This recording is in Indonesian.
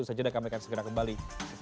usaha jeda kembali